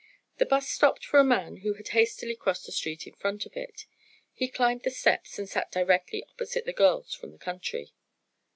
The 'bus stopped for a man who had hastily crossed the street in front of it. He climbed the steps and sat directly opposite the girls from the country.